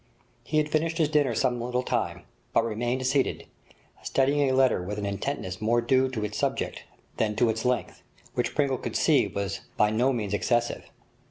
He had finished his dinner some little time, but remained seated, studying a letter with an intentness more due to its subject than to its length, which Pringle could see was by no means excessive.